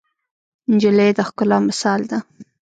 نجلۍ د ښکلا مثال ده.